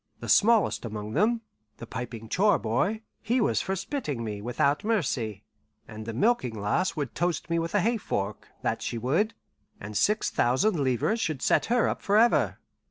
The smallest among them, the piping chore boy, he was for spitting me without mercy; and the milking lass would toast me with a hay fork, that she would, and six thousand livres should set her up forever.